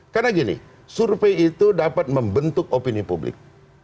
karena gini survei itu dapat membentuk opini publik